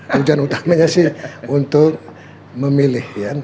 tujuan utamanya sih untuk memilih ya